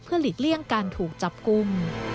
เพื่อหลีกเลี่ยงการถูกจับกุม